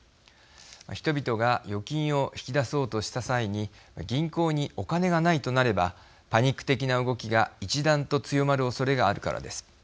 人々が預金を引き出そうとした際に銀行にお金がないとなればパニック的な動きが一段と強まるおそれがあるからです。